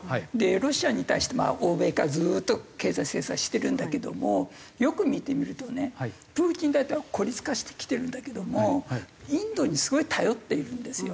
ロシアに対して欧米からずっと経済制裁してるんだけどもよく見てみるとねプーチン大統領は孤立化してきてるんだけどもインドにすごい頼っているんですよ。